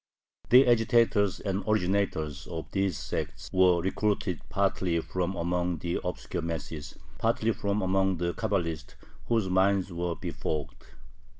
The agitators and originators of these sects were recruited partly from among the obscure masses, partly from among the Cabalists whose minds were befogged.